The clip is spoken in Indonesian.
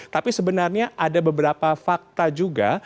tapi sebenarnya ada beberapa fakta juga